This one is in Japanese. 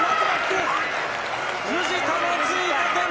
藤田の追加点！